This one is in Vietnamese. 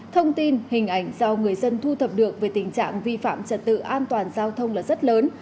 thông tin hình ảnh do người dân thu thập được về tình trạng vi phạm trật tự an toàn giao thông là rất lớn